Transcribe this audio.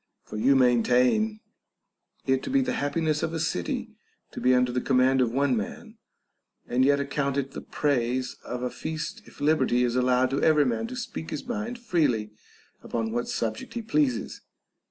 For you maintain it to be the happiness of a city to be under the command of one man, and yet account it the praise of a feast if liberty is allowed every man to speak his mind freely upon what subject he pleases.